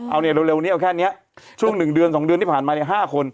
เอาเนี่ยเร็วนี้เอาแค่นี้ช่วง๑เดือน๒เดือนที่ผ่านมาเนี่ย๕คน